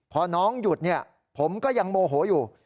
พอน้องหยุดผมก็ยังโมโหอยู่